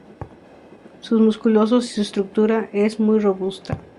Son musculosos y su estructura es muy robusta.